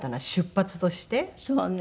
そうね。